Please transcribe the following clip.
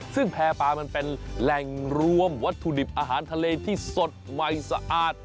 ซึ่งแพร่ปลามันเป็นแหล่งรวมวัตถุดิบอาหารทะเลที่สดใหม่สะอาด